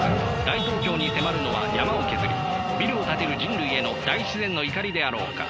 大東京に迫るのは山を削りビルを建てる人類への大自然の怒りであろうか。